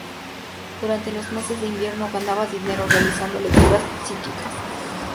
Durante los meses de invierno, ganaba dinero realizando lecturas psíquicas desde casa.